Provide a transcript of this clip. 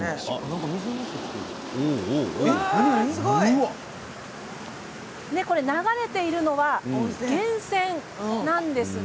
すごい！流れているのは源泉なんです。